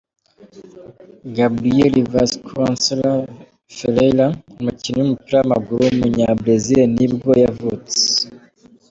Gabriel Vasconcelos Ferreira, umukinnyi w’umupira w’amaguru w’umunyabrezil nibwo yavutse.